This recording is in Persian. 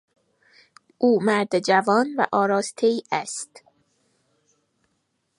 او مرد جوان و آراستهای است.